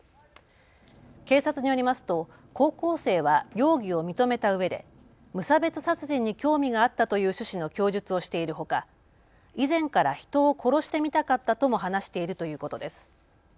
警察によりますと高校生は容疑を認めたうえで無差別殺人に興味があったという趣旨の供述をしているほか、以前から人を殺してみたかったとも話しているということです。